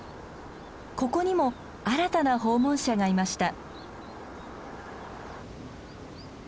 ここにも新たな訪問者がいました。